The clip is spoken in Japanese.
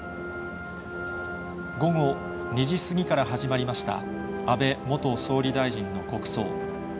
午後２時過ぎから始まりました、安倍元総理大臣の国葬。